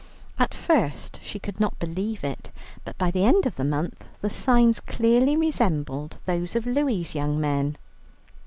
At first she could not believe it, but by the end of the month the signs clearly resembled those of Louie's young men.